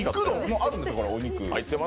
あるんですか、お肉？